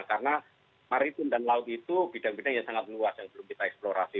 karena maritim dan laut itu bidang bidang yang sangat luas yang perlu kita eksplorasi